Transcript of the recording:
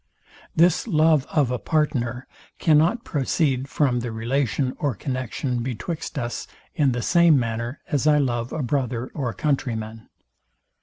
This love of a partner cannot proceed from the relation or connexion betwixt us; in the same manner as I love a brother or countryman.